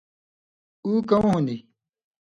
اُو کؤں ہُون٘دیۡ۔